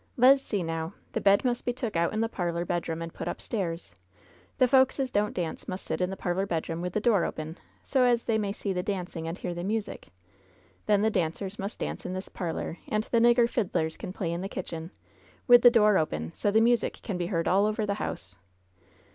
Le's see, now: The bed must be took out'n the parlor bedroom and put upstairs. The folks as don't dance must sit in the parlor bedroom, with the door open, so as they may see the dancing and hear the music. Then the dancers must dance in this parlor, and the nigger fiddlers can play in the kitchen, with the door open, so the music can be heard all over the house.